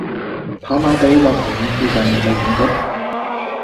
跑馬地樂陶苑附近有無警局？